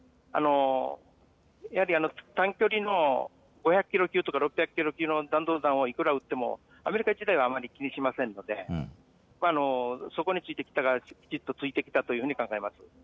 やはり短距離の５００キロ級とか６００キロ級の弾道弾をいくら撃ってもアメリカ自体はあまり気にしませんので、そこについて北がきちっと突いてきたと考えます。